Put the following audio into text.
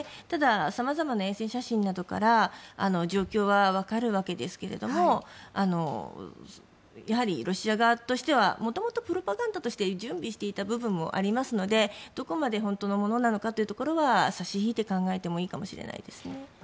ただ、さまざまな衛星写真などから状況は分かるわけですけれどもやはりロシア側としてはもともとプロパガンダとして準備していた部分もありますのでどこまで本当のものなのかは差し引いて考えてもいいかもしれないですね。